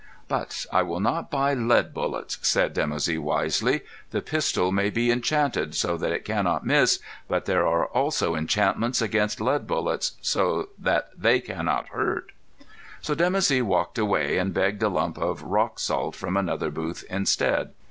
"But I will not buy lead bullets," said Dimoussi wisely. "The pistol may be enchanted so that it cannot miss, but there are also enchantments against lead bullets so that they cannot hurt." So Dimoussi walked away, and begged a lump of rock salt from another booth instead.